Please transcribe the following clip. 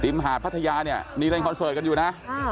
ซึ่งหาดพัทยานี่เล่นคอนเสิร์ตกันอยู่นะ